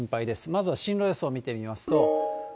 まずは進路予想を見てみますと。